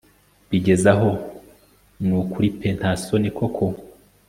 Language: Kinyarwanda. bigezaho nukuri pe ntasoni koko